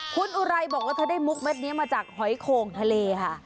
คุณอุไรบอกว่าเธอได้มุกเม็ดนี้มาจากหอยโข่งทะเลค่ะ